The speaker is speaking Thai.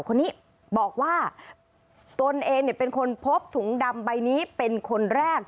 คนนี้บอกว่าตนเองเป็นคนพบถุงดำใบนี้เป็นคนแรก